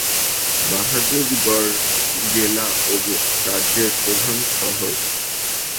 বাহাদুরগড় জেলা ও রাজ্যের প্রধান শহর।